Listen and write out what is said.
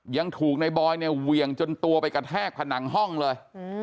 ยังถูกในบอยเนี่ยเหวี่ยงจนตัวไปกระแทกผนังห้องเลย